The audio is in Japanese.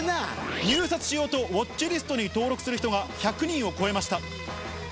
入札しようとウォッチリストに登録する人が１００人を超えました。